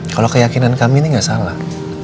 kalau keyakinan kami ini nggak salah